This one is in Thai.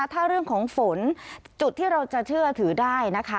ถ้าเรื่องของฝนจุดที่เราจะเชื่อถือได้นะคะ